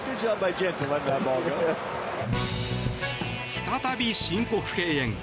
再び申告敬遠。